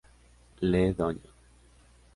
Le Donjon